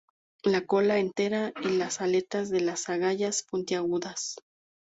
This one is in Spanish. La cola entera, y las aletas de las agallas puntiagudas.